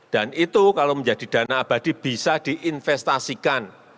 dan itu kalau menjadi dana abadi bisa diinvestasikan